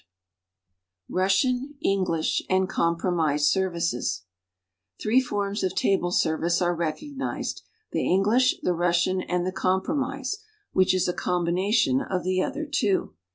INSERT SHOWS INDIVIDUAL COVER, RUSSIAN, ENGLISH AND COMPROMISE SERVICES Three forms of table service arc recognized; the English, the Russian, and the Compromise, which is a combination of the other two.